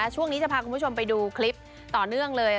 ช่วงนี้จะพาคุณผู้ชมไปดูคลิปต่อเนื่องเลย